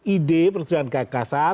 ide persetujuan gagasan